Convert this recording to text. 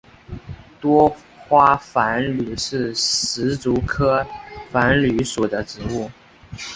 多花繁缕是石竹科繁缕属的植物。